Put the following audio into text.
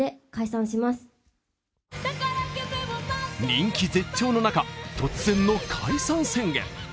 人気絶頂の中突然の解散宣言。